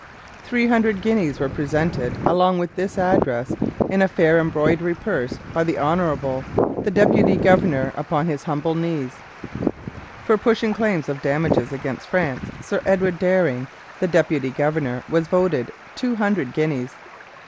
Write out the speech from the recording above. Three hundred guineas were presented along with this address in 'a faire embroidered purse by the Hon. the Deputy Gov'r. upon his humble knees.' For pushing claims of damages against France, Sir Edward Dering, the deputy governor, was voted two hundred guineas.